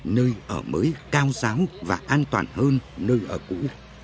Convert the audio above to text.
nơi ở mới cao giáo và an toàn hơn nơi ở cũ